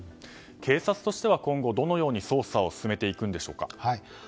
警察としては今後どのように捜査を進めていくんでしょうか。